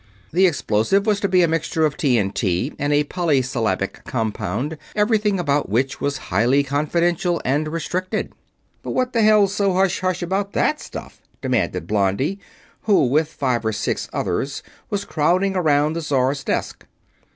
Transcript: The explosive was to be a mixture of TNT and a polysyllabic compound, everything about which was highly confidential and restricted. "But what the hell's so hush hush about that stuff?" demanded Blondie, who, with five or six others, was crowding around the Czar's desk.